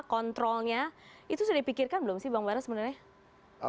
kontrolnya itu sudah dipikirkan belum sih bang bara sebenarnya